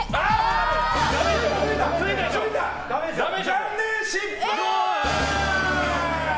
残念、失敗！